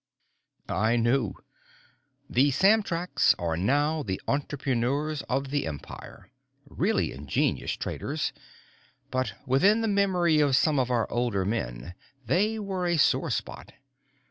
I knew. The Samtraks are now the entrepreneurs of the Empire, really ingenious traders, but within the memory of some of our older men they were a sore spot.